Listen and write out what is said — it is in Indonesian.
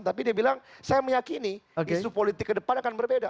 tapi dia bilang saya meyakini isu politik ke depan akan berbeda